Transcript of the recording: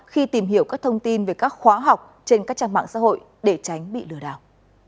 khi tìm hiểu các thông tin về các khóa học trên các trang mạng xã hội để tránh bị lừa đảo